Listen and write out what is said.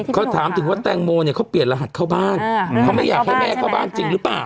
เขาถามถึงว่าแตงโมเนี่ยเขาเปลี่ยนรหัสเข้าบ้านเขาไม่อยากให้แม่เข้าบ้านจริงหรือเปล่า